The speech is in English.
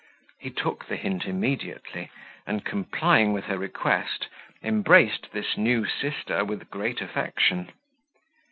He took the hint immediately, and, complying with her request, embraced this new sister with great affection.